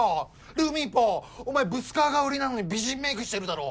るみぽお前ブスかわが売りなのに美人メイクしてるだろ？